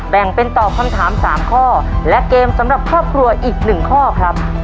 แบ่งเป็นตอบคำถาม๓ข้อและเกมสำหรับครอบครัวอีก๑ข้อครับ